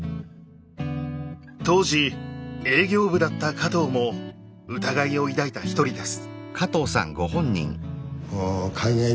当時営業部だった加藤も疑いを抱いた一人です。